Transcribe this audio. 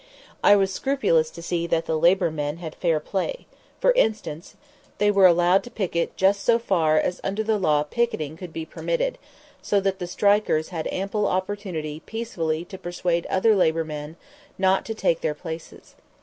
I was scrupulous to see that the labor men had fair play; that, for instance, they were allowed to picket just so far as under the law picketing could be permitted, so that the strikers had ample opportunity peacefully to persuade other labor men not to take their places.